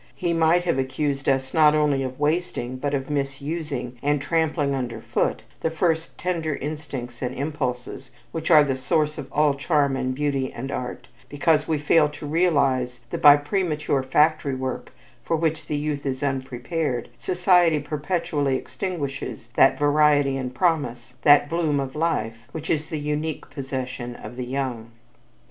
He might have accused us not only of wasting, but of misusing and of trampling under foot the first tender instincts and impulses which are the source of all charm and beauty and art, because we fail to realize that by premature factory work, for which the youth is unprepared, society perpetually extinguishes that variety and promise, that bloom of life, which is the unique possession of the young.